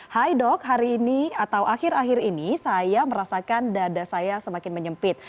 hai dok hari ini atau akhir akhir ini saya merasakan dada saya semakin menyempit